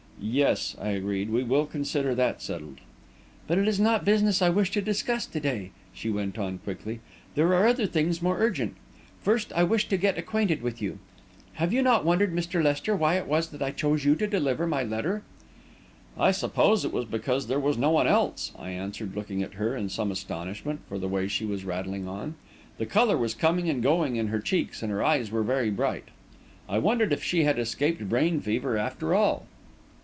"Yes," I agreed, "we will consider that settled." "But it is not business I wish to discuss to day," she went on, quickly. "There are other things more urgent. First, I wish to get acquainted with you. Have you not wondered, Mr. Lester, why it was that I chose you to deliver my letter?" "I suppose it was because there was no one else," I answered, looking at her in some astonishment for the way she was rattling on. The colour was coming and going in her cheeks and her eyes were very bright. I wondered if she had escaped brain fever, after all.